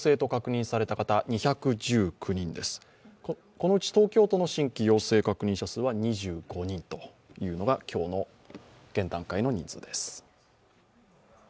このうち東京都の新規陽性確認者数は２５人というのが今日の現段階です。